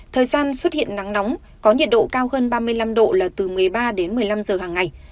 thời gian xuất hiện nắng nóng có nhiệt độ cao hơn ba mươi năm độ là từ một mươi ba đến một mươi năm giờ hàng ngày